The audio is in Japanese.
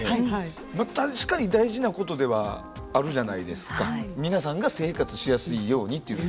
まあ確かに大事なことではあるじゃないですか皆さんが生活しやすいようにっていうの。